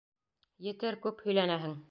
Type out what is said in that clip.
Етер, күп һөйләнәһең.